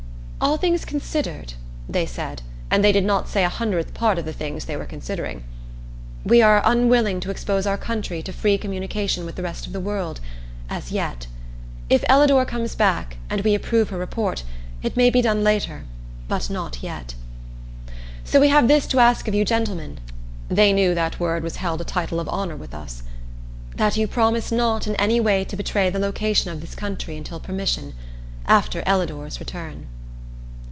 "All things considered," they said, and they did not say a hundredth part of the things they were considering, "we are unwilling to expose our country to free communication with the rest of the world as yet. If Ellador comes back, and we approve her report, it may be done later but not yet. "So we have this to ask of you gentlemen [they knew that word was held a title of honor with us], that you promise not in any way to betray the location of this country until permission after Ellador's return."